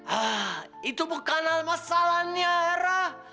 ah itu bukanlah masalahnya era